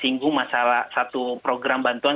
ini akan mengunggu masalah satu program bantuan